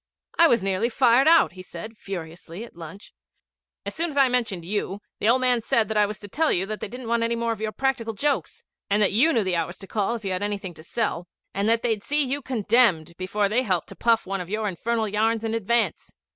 'I was nearly fired out,' he said furiously at lunch. 'As soon as I mentioned you, the old man said that I was to tell you that they didn't want any more of your practical jokes, and that you knew the hours to call if you had anything to sell, and that they'd see you condemned before they helped to puff one of your infernal yarns in advance.